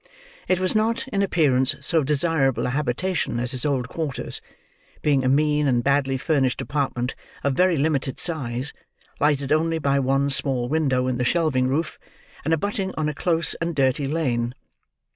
It was not, in appearance, so desirable a habitation as his old quarters: being a mean and badly furnished apartment, of very limited size; lighted only by one small window in the shelving roof, and abutting on a close and dirty lane.